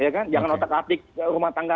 ya kan jangan otak atik rumah tangga